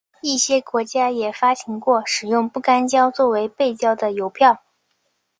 一些国家也发行过使用不干胶作为背胶的邮票。